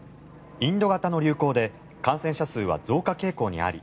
インド型の流行で感染者数は増加傾向にあり